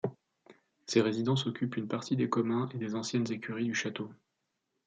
Ces résidences occupent une partie des communs et des anciennes écuries du château.